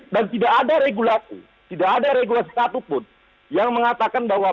dan tidak ada regulasi tidak ada regulasi satupun yang mengatakan bahwa